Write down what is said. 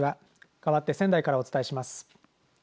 かわって仙台からお伝えします。